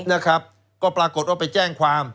นะครับก็ปรากฏว่าไปแจ้งความ